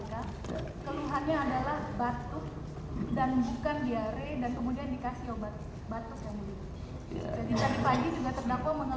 keluhannya adalah batuk dan bukan diare dan kemudian dikasih obat batuk yang mulia